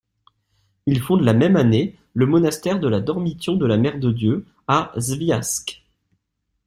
Il fonde la même année le monastère de la Dormition-de-la-Mère-de-Dieu à Sviajsk.